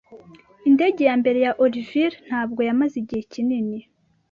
Indege ya mbere ya Orville ntabwo yamaze igihe kinini.